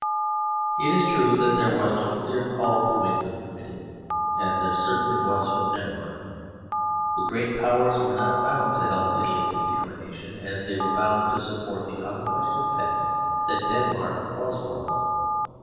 It is true that there was no clear call to England from Italy, as there certainly was from Denmark. The great powers were not bound to help Italy to become a nation, as they were bound to support the unquestioned fact that Denmark was one.